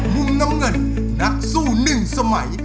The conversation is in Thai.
ลุงน้ำเงินนักสู้หนึ่งสมัย